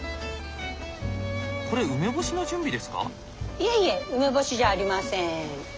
いえいえ梅干しじゃありません。